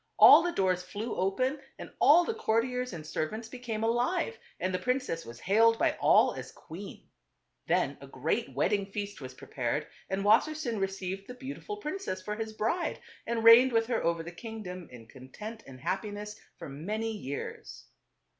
All the doors flew open and all the courtiers and servants became alive, and the prin ^ cess was hailed by all as \*/&£>ser<5eir\5 q ueen Then a great wed f rince.jj. ding f ea st was prepared and Wassersein received the beautiful princess for his bride, and reigned with her over the kingdom in content and happiness for many years.